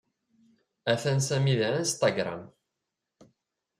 Atan Sami deg Insragram.